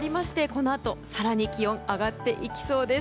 このあと更に気温が上がっていきそうです。